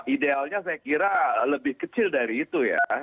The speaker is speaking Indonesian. idealnya saya kira lebih kecil dari itu ya